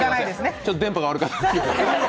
ちょっと電波が悪かった。